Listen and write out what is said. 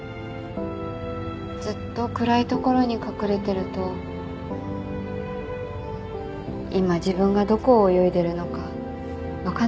ずっと暗い所に隠れてると今自分がどこを泳いでるのか分かんなくなっちゃうから。